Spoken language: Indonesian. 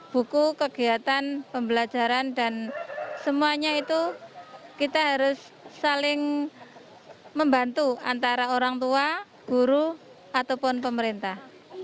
buku kegiatan pembelajaran dan semuanya itu kita harus saling membantu antara orang tua guru ataupun pemerintah